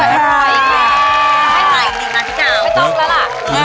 ให้ใส่อีกหนึ่งนะพี่กาวไม่ต้องแล้วล่ะ